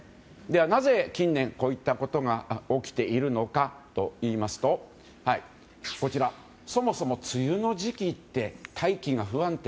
なぜ、近年こういったことが起きているのかといいますとそもそも梅雨の時期って大気が不安定。